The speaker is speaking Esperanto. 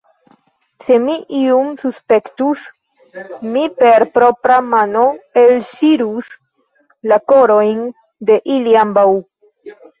Se mi iun suspektus, mi per propra mano elŝirus la korojn de ili ambaŭ!